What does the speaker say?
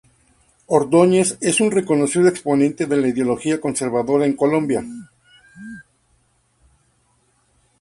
Ordóñez es un reconocido exponente de la ideología conservadora en Colombia.